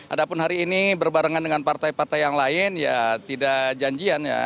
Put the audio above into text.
adapun hari ini berbarengan dengan partai partai yang lain ya tidak janjian